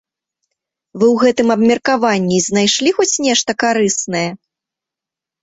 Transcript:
Вы ў гэтым абмеркаванні знайшлі хоць нешта карыснае?